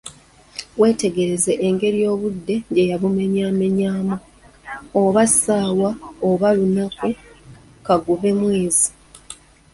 Weetegerezza engeri obudde gye yabumenyamenyamu, oba ssaawa, oba lunaku, kagube mwezi!